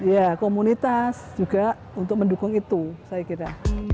ya komunitas juga untuk mendukung itu saya kira